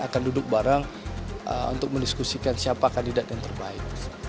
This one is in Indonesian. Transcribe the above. akan duduk bareng untuk mendiskusikan siapa kandidat yang terbaik